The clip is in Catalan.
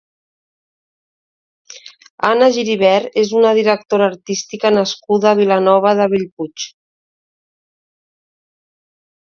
Anna Giribet és una directora artística nascuda a Vilanova de Bellpuig.